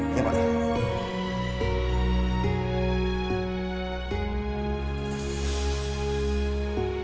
ini upah untuk kamu